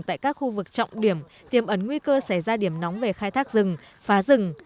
tại các khu vực trọng điểm tiềm ấn nguy cơ xảy ra điểm nóng về khai thác rừng phá rừng